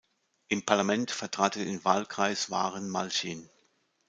Im Parlament vertrat er den Wahlkreis Waren-Malchin.